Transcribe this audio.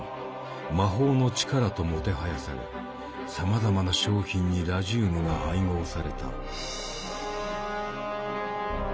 「魔法の力」ともてはやされさまざまな商品にラジウムが配合された。